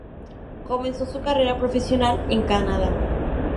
Comenzó su carrera profesional en Canadá.